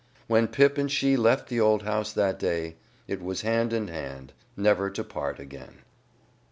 When Pip and she left the old house that day it was hand in hand, never to part again.